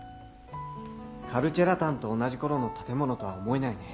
カルチェラタンと同じ頃の建物とは思えないね。